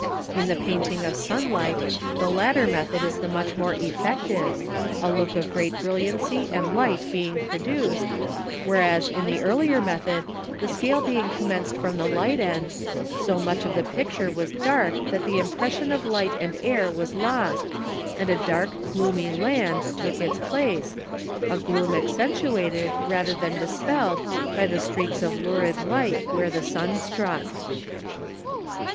In the painting of sunlight the latter method is much the more effective, a look of great brilliancy and light being produced, whereas in the earlier method, the scale being commenced from the light end, so much of the picture was dark that the impression of light and air was lost and a dark gloomy land took its place, a gloom accentuated rather than dispelled by the streaks of lurid light where the sun struck.